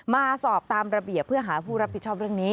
มาสอบตามระเบียบเพื่อหาผู้รับผิดชอบเรื่องนี้